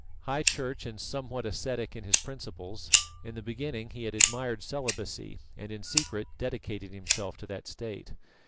High Church and somewhat ascetic in his principles, in the beginning he had admired celibacy, and in secret dedicated himself to that state.